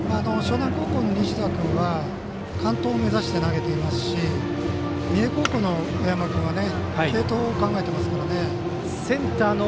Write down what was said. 樟南高校の西田君は完投目指して投げていますし三重高校の上山君は継投を考えていますからね。